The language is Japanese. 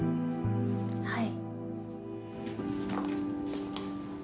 はい。